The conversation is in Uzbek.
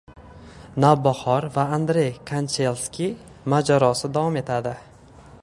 “Navbahor” va Andrey Kanchelskis mojarosi davom etadi